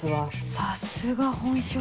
さすが本職。